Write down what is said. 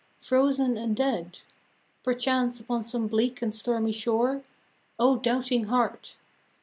Frozen and dead, Perchance upon some bleak and stormy shore, O doubting heart!